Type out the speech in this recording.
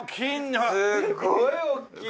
すっごい大きい！